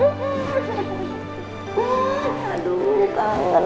kangen kangen kangen kangen